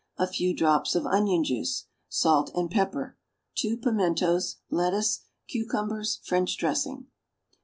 A few drops of onion juice. Salt and pepper. 2 pimentos. Lettuce. Cucumbers. French dressing.